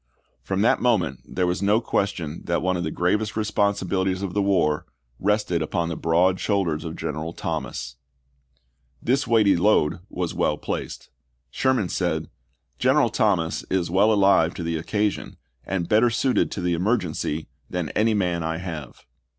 From that moment there was no question that one of the gravest responsibilities of the war rested upon the broad shoulders of General Thomas. Chap. I. Hood to Davis, Nov. 12, 1864. 1864. > ABRAHAM LINCOLN chap, i This weighty load was well placed. Sherman said, " General Thomas is well alive to the occasion, and better suited to the emergency than any man I have."